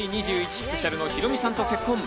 スペシャルのヒロミさんと結婚。